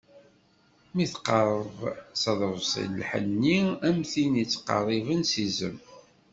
Mi tqerreb s aḍebsi n lḥenni am tin yettqerriben s izem.